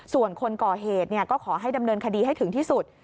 ส่วนคนก่อเหตุก็ขอให้ดำเนินคดีให้ถึงที่สุด